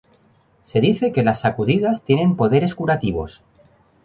Se dice que las sacudidas tienen poderes curativos.